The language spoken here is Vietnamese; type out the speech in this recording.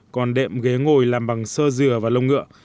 còn đệm ghế ngồi làm bằng sơ dừa và lông ngựa